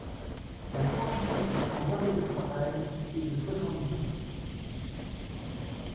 La franchise en arrêt de travail est de soixante jours.